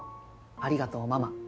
「ありがとうママ」